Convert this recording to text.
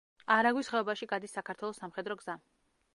არაგვის ხეობაში გადის საქართველოს სამხედრო გზა.